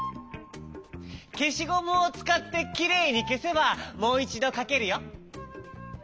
けしゴムをつかってきれいにけせばもういちどかけるよ。